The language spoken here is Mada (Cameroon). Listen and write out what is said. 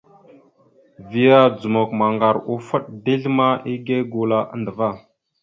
Vya dzomok maŋgar offoɗ dezl ma igégula andəva.